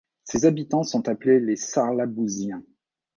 Ses habitants sont appelés les Sarlabousiens.